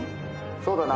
そうだな。